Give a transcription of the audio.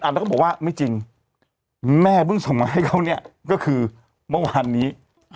แล้วก็บอกว่าไม่จริงแม่เพิ่งส่งมาให้เขาเนี่ยก็คือเมื่อวานนี้